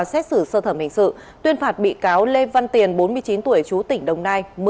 xét xử sơ thẩm hình sự tuyên phạt bị cáo lê văn tiền bốn mươi chín tuổi chú tỉnh đồng nai